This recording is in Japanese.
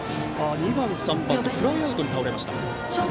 ２番、３番とフライアウトに倒れました。